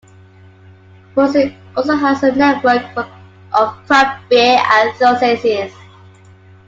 Muncie also has a network of craft beer enthusiasts.